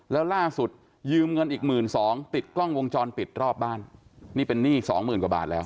แล้วล่าสุดยืมเงินอีกหมื่นสองติดกล้องวงจรปิดรอบบ้านนี่เป็นหนี้สองหมื่นกว่าบาทแล้ว